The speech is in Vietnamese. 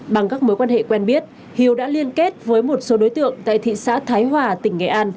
bằng các mối quan hệ quen biết hiếu đã liên kết với một số đối tượng tại thị xã thái hòa tỉnh nghệ an